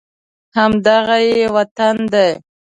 همدغه یې وطن دی